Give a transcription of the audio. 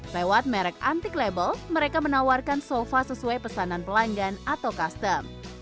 lewat merek antik label mereka menawarkan sofa sesuai pesanan pelanggan atau custom